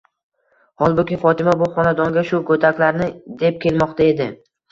Holbuki, Fotima bu xonadonga shu go'daklarni deb kelmoqda edi.